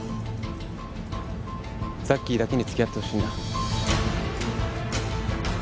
ザッキーだけに付き合ってほしいんだ。